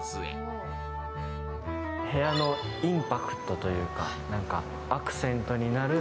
部屋のインパクトというかアクセントになる